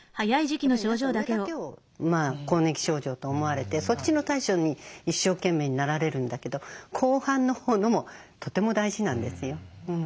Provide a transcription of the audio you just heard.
やっぱり皆さん上だけを更年期症状と思われてそっちの対処に一生懸命になられるんだけど後半のほうのもとても大事なんですよ。